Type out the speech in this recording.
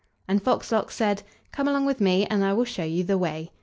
And Fox lox said: "Come along with me, and I will show you the way."